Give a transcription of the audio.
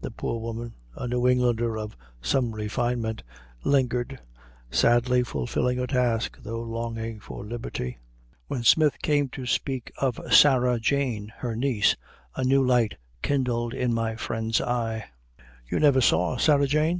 The poor woman, a New Englander of some refinement, lingered, sadly fulfilling her task, though longing for liberty. When Smith came to speak of Sarah Jane, her niece, a new light kindled in my friend's eye. "You never saw Sarah Jane?"